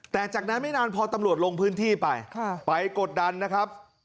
แต่จากนั้นไม่นานพอตำรวจลงพื้นที่ไปไปกดดันนะครับ